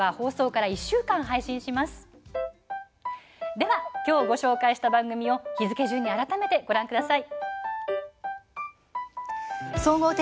ではきょうご紹介した番組を日付順に改めてご覧ください。